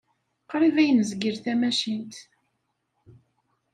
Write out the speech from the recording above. Qrib ay nezgil tamacint.